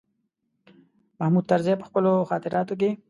محمود طرزي په خپلو خاطراتو کې.